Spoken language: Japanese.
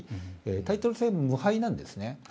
タイトル戦無敗なんですね。